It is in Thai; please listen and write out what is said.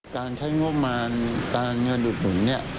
การใช้งบมาตานเงินหลุดถุง